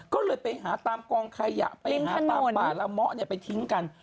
ก็เลยไปหาตามกองไข่หยะไปหาตามบาปแล้วหม้อไปทิ้งกัน